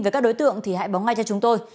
về các đối tượng thì hãy bóng ngay cho chúng tôi